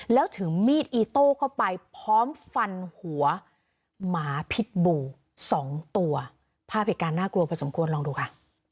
แล้วถือมีดอีโต้เข้าไปพร้อมฟันหัวหมาพิษบูสองตัวภาพเหตุการณ์น่ากลัวพอสมควรลองดูค่ะ